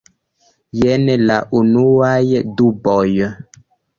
Jen la unuaj duboj.